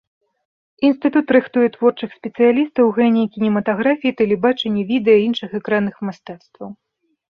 Інстытут рыхтуе творчых спецыялістаў у галіне кінематаграфіі, тэлебачання, відэа і іншых экранных мастацтваў.